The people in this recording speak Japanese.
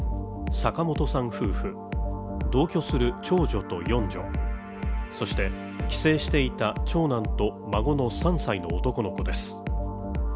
坂本さん夫婦、同居する長女と四女そして、帰省していた長男と孫の３歳の男の子です。